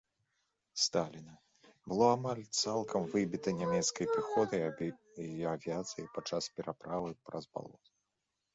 Сталіна, было амаль цалкам выбіта нямецкай пяхотай і авіяцыяй падчас пераправы праз балота.